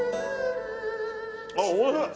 あっおいしい。